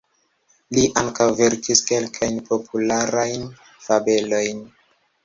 Li ankaŭ verkis kelkajn popularajn fabelojn.